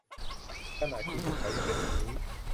ขนาดคุณอยู่กับเขายังเป็นแบบนี้